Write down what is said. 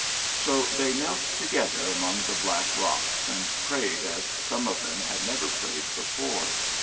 So they knelt together among the black rocks, and prayed as some of them had never prayed before.